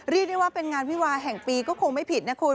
เรียกได้ว่าเป็นงานวิวาแห่งปีก็คงไม่ผิดนะคุณ